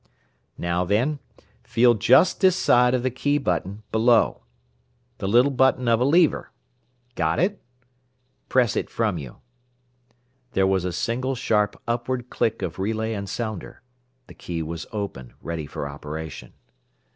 "Now then, feel just this side of the key button, below. The little button of a lever? Got it? Press it from you." There was a single sharp upward click of relay and sounder. The key was "open," ready for operation.